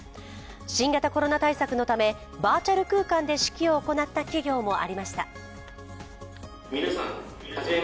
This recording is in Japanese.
新型コロナ対策のため、バーチャル空間で式を行った企業もありました。